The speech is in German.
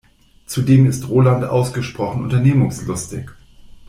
Zudem ist Roland ausgesprochen unternehmungslustig.